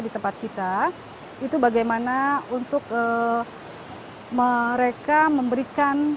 di tempat kita itu bagaimana untuk mereka memberikan